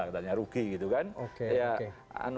katanya rugi gitu kan